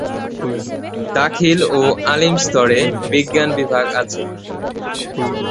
দাখিল ও আলিম স্তরে বিজ্ঞান বিভাগ আছে।